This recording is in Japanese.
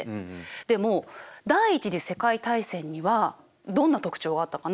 でも第一次世界大戦にはどんな特徴があったかな？